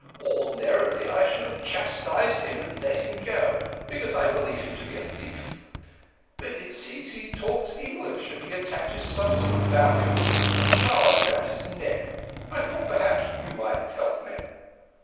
Ordinarily, I should have chastised him and let him go, because I believe him to be a thief. But it seems he talks English, and he attaches some sort of value to a charm round his neck. I thought perhaps you might help me."